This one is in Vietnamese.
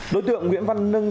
đối tượng nguyễn văn nưng